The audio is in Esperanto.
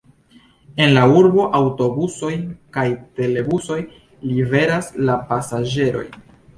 En la urbo aŭtobusoj kaj trolebusoj liveras la pasaĝerojn.